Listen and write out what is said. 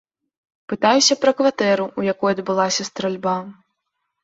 Пытаюся пра кватэру, у якой адбылася стральба.